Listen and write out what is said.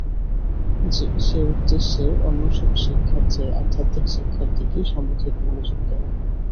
সে উদ্দেশ্যে অন্য সব শিক্ষার চেয়ে আধ্যাত্মিক শিক্ষার দিকেই সমধিক মনোযোগ দেওয়া হয়।